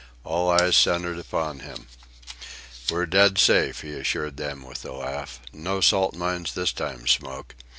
All eyes centred upon him. "We're dead safe," he assured them with a laugh. "No salt mines this time, Smoke.